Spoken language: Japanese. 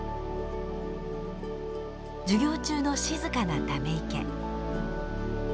授業中の静かなため池。